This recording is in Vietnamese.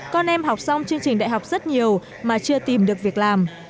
con em học xong chương trình đại học rất nhiều mà chưa tìm được việc làm